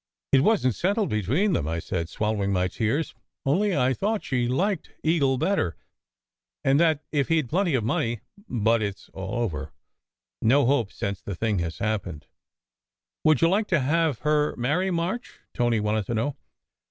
"It wasn t settled between them," I said, swallowing my tears. "Only I thought she liked Eagle better, and that if he d plenty of money but it s all over. No hope since this thing has happened!" "Would you like to have her marry March?" Tony wanted to know.